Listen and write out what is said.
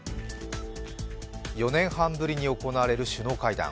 ４年半ぶりに行われる首脳会談